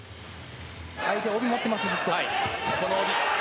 相手帯持ってます、ずっと。